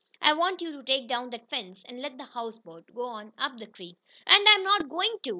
"I want you to take down that fence, and let the houseboat go on up the creek." "And I'm not going to!"